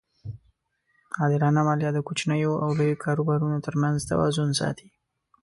عادلانه مالیه د کوچنیو او لویو کاروبارونو ترمنځ توازن ساتي.